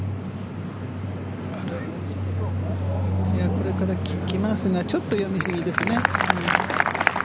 これから来ますがちょっと読みすぎですね。